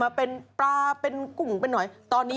สวัสดีค่าข้าวใส่ไข่